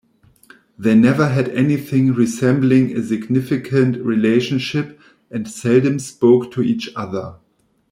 They never had anything resembling a significant relationship and seldom spoke to each other.